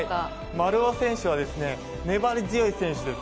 丸尾選手は粘り強い選手です。